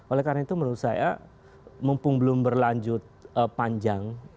oleh karena itu menurut saya mumpung belum berlanjut panjang